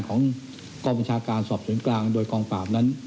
ของควบคุณกรตนวัยสอบศูนย์กลางโดยความปล่ามนั้น